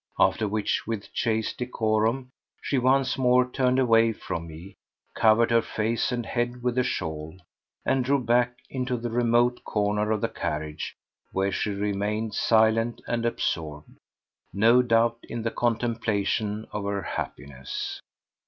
After which, with chaste decorum, she once more turned away from me, covered her face and head with the shawl, and drew back into the remote corner of the carriage, where she remained, silent and absorbed, no doubt, in the contemplation of her happiness.